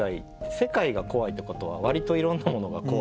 「せかい」が怖いってことは割といろんなものが怖い。